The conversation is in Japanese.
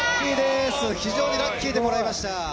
非常にラッキーでもらいまし